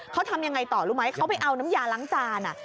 เขาทำยังไงต่อรู้ไหมเขาไปเอาน้ำยาล้างจาน